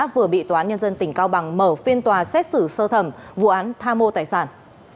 vừa bị toán nhân dân tỉnh cao bằng mở phiên tòa xét xử sơ thẩm vụ án tham ô tài sản